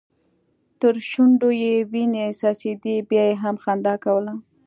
تر شونډو يې وينې څڅيدې بيا يې هم خندا کوله.